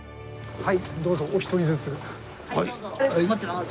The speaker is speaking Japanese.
はい。